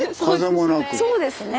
そうですね。